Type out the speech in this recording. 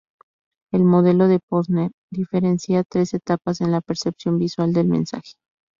El "modelo de Posner" diferencia tres etapas en la percepción visual del mensaje.